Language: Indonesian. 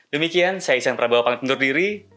demikian saya isyan prabowo panggil penduduk diri